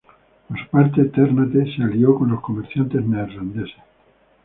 Por su parte, Ternate se alió con los comerciantes neerlandeses.